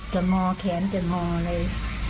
จะมอแขนจะมออะไร